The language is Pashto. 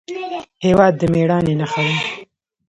هېواد د مېړانې نښه ده.